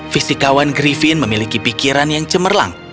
fisikawan grifin memiliki pikiran yang cemerlang